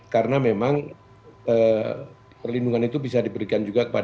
karena memang perlindungan itu bisa diberikan juga kepada keluarga